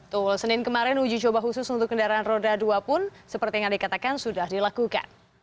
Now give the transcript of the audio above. tuh senin kemarin uji coba khusus untuk kendaraan roda dua pun seperti yang dikatakan sudah dilakukan